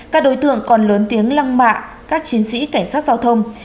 các đối tượng còn lớn tiếng lăng mạ các chiến sĩ cảnh sát giao thông